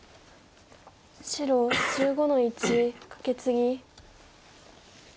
白１５の一カケツギ。